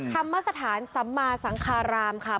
ธรรมสถานสัมมาสังคารามค่ะ